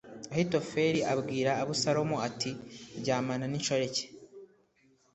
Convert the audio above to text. Ahitofeli abwira Abusalomu ati ryamana n’inshoreke